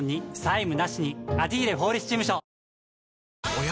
おや？